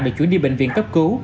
được chuyển đi bệnh viện cấp cứu